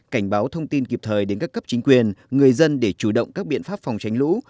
cảnh báo thông tin kịp thời đến các cấp chính quyền người dân để chủ động các biện pháp phòng tránh lũ